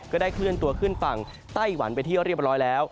ก็ได้เคลื่อนตัวขึ้นฝั่งไต้หวันไปที่เรียบร้อยแล้ว